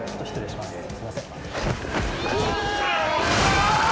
すいません。